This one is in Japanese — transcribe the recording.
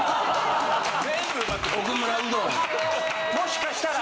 もしかしたら。